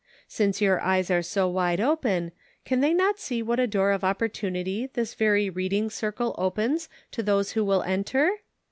Since your eyes are so wide open, can they not see what a door of opportunity this very Reading Circle opens to those who will enter.